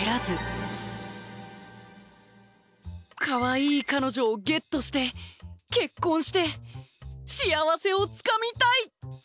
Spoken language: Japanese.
かわいい彼女をゲットして結婚して幸せをつかみたい！